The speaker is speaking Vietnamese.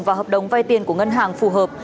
và hợp đồng vay tiền của ngân hàng phù hợp